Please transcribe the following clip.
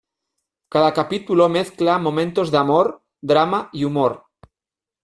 Cada capítulo mezcla momentos de amor, drama y humor.